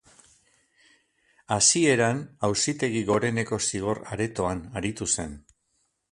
Hasieran, Auzitegi Goreneko Zigor aretoan aritu zen.